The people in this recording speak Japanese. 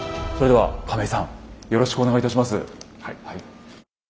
はい。